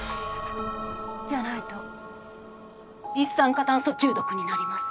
じゃないと一酸化炭素中毒になります。